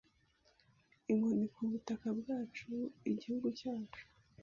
inkoni ku butaka bwacu igihugu cyacu